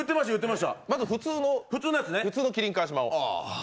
まず、普通の麒麟・川島を。